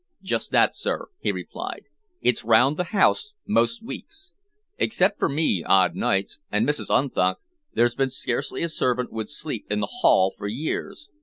"Just that, sir," he replied. "It's round the house most weeks. Except for me odd nights, and Mrs. Unthank, there's been scarcely a servant would sleep in the Hall for years.